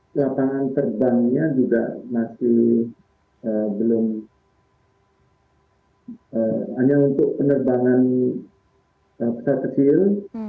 lapangan terbangnya juga masih belum hanya untuk penerbangan pesawat kecil